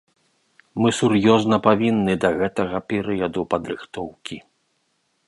Мы сур'ёзна павінны да гэтага перыяду падрыхтоўкі.